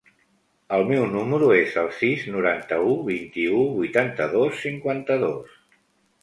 El meu número es el sis, noranta-u, vint-i-u, vuitanta-dos, cinquanta-dos.